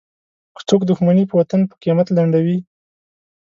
که څوک دوښمني په وطن په قیمت لنډوي.